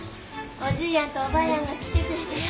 おじぃやんとおばぁやんが来てくれたよ。